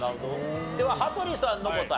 では羽鳥さんの答え。